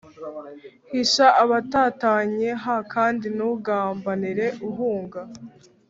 Hisha abatatanye h kandi ntugambanire uhunga